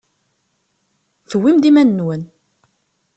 Tewwim-d iman-nwen.